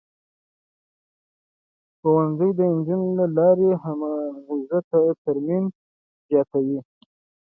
ښوونځی د نجونو له لارې د همغږۍ تمرين زياتوي.